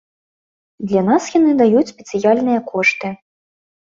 Для нас яны даюць спецыяльныя кошты.